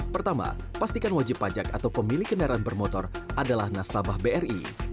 pertama pastikan wajib pajak atau pemilik kendaraan bermotor adalah nasabah bri